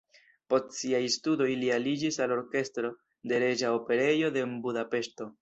Post siaj studoj li aliĝis al orkestro de Reĝa Operejo de Budapeŝto.